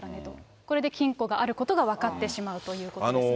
これで金庫があることが分かってしまうということですね。